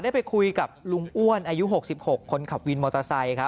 ได้ไปคุยกับลุงอ้วนอายุ๖๖คนขับวินมอเตอร์ไซค์